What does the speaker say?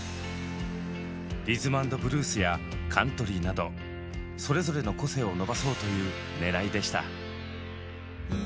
リズム＆ブルースやカントリーなどそれぞれの個性を伸ばそうというねらいでした。